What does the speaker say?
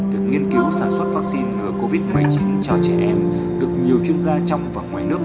việc nghiên cứu sản xuất vaccine ngừa covid một mươi chín cho trẻ em được nhiều chuyên gia trong và ngoài nước